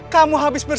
kamu habis berhenti